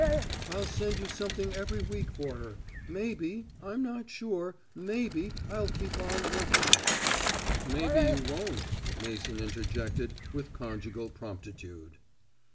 "I'll send you something every week for her. Maybe, I'm not sure, maybe I'll keep on working." "Maybe you won't," Mason interjected with conjugal promptitude.